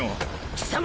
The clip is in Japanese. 貴様！